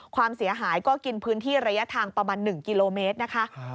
ความเสียหายก็กินพื้นที่ระยะทางประมาณ๑กิโลเมตรนะคะ